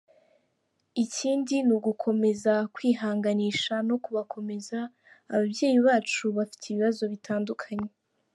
Ikindi ni ugukomeza kubihanganisha no kubakomeza ababyeyi bacu bafite ibibazo bitandukanye.